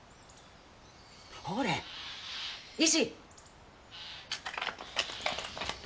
ほれ石！